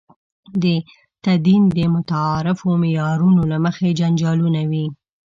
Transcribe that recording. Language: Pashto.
د تدین د متعارفو معیارونو له مخې جنجالونه وي.